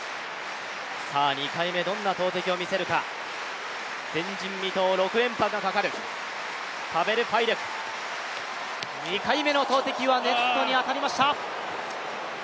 ２回目どんな投てきを見せるか前人未到、６連覇がかかる・パベル・ファイデク、２回目の投てきはネットに当たりました。